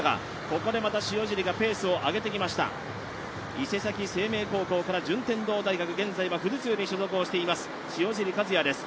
伊勢崎清明高校から順天堂大学現在は富士通に所属をしています塩尻和也です。